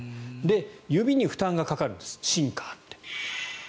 指に負担がかかるんですシンカーって。